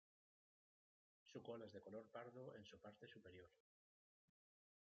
Su cola es de color pardo en su parte superior.